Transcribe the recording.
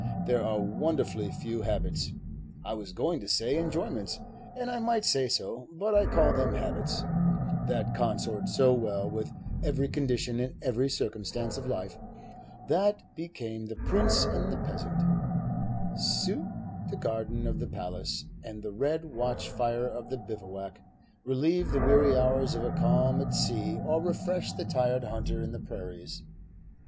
There are wonderfully few habits I was going to say enjoyments, and I might say so, but I 'll call them habits that consort so well with every condition and every circumstance of life, that become the prince and the peasant, suit the garden of the palace and the red watch fire of the bivouac, relieve the weary hours of a calm at sea, or refresh the tired hunter in the prairies."